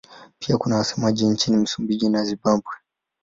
Pia kuna wasemaji nchini Msumbiji na Zimbabwe.